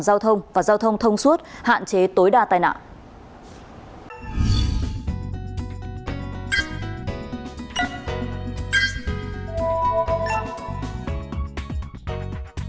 giao thông và giao thông thông suốt hạn chế tối đa tai nạn